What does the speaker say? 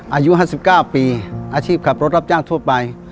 อายุ๕๙ปีอาชีพขับรถรับจ้างทั่วไป